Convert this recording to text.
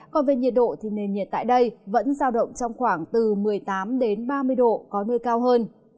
còn về nhiệt độ thì nền nhiệt tại đây vẫn giao động trong khoảng từ một mươi tám đến ba mươi độ có nơi cao hơn